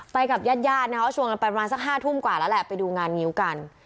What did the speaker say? กับญาติญาตินะคะชวนกันไปประมาณสัก๕ทุ่มกว่าแล้วแหละไปดูงานงิ้วกัน